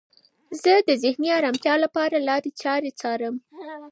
زه د ذهني ارامتیا لپاره لارې چارې لټوم.